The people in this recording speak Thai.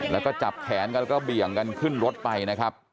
แล้วก็จับแขนกันแล้วก็เบี่ยงกันขึ้นรถไปนะครับ